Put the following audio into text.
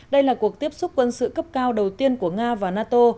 đây là cuộc tiếp xúc quân sự cấp cao đầu tiên của nga và nato